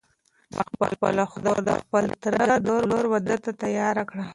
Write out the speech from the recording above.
ما خپله خور د خپل تره د لور واده ته تیاره کړه.